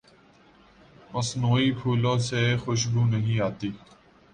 مصنوعی پھولوں سے خوشبو نہیں آتی۔